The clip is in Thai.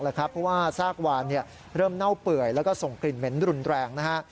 เพราะว่าซากวานเริ่มเน่าเปื่อยแล้วก็ส่งกลิ่นเหม็นรุนแรงนะฮะ